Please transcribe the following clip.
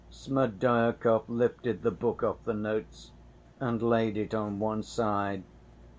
Smerdyakov lifted the book off the notes and laid it on one side.